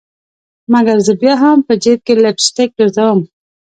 مګر زه بیا هم په جیب کي لپ سټک ګرزوم